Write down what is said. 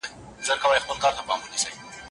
زه قلندر یم په یوه قبله باور لرمه